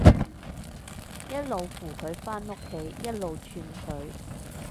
一路扶佢返屋企，一路串佢